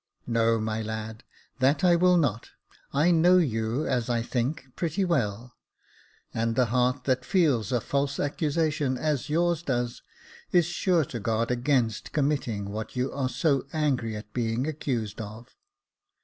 " No, my lad, that I will not ; I know you, as I think, pretty well ; and the heart that feels a false accusation as yours does is sure to guard against committing what you are so angry at being accused of.